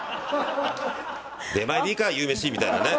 「出前でいいか夕飯」みたいなね。